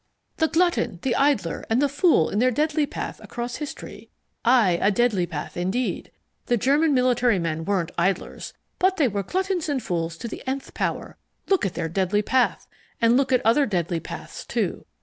"The glutton, the idler, and the fool in their deadly path across history. ... Aye, a deadly path indeed. The German military men weren't idlers, but they were gluttons and fools to the nth power. Look at their deadly path! And look at other deadly paths, too.